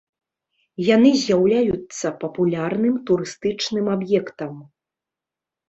Яны з'яўляюцца папулярным турыстычным аб'ектам.